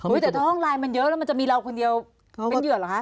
แต่ถ้าห้องไลน์มันเยอะแล้วมันจะมีเราคนเดียวเป็นเหยื่อเหรอคะ